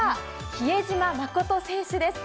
比江島慎選手です。